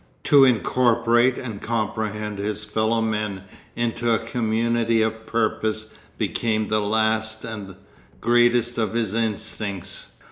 To incorporate and comprehend his fellow men into a community of purpose became the last and greatest of his instincts.